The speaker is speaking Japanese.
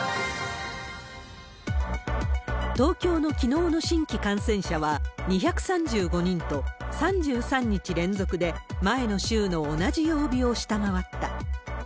東京のきのうの新規感染者は２３５人と、３３日連続で前の週の同じ曜日を下回った。